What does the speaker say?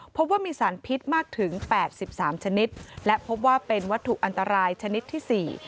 พบว่ามีสารพิษมากถึง๘๓ชนิดและพบว่าเป็นวัตถุอันตรายชนิดที่๔